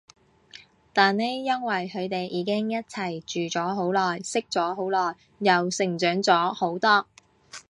但呢因為佢哋已經一齊住咗好耐，識咗好耐，又成長咗好多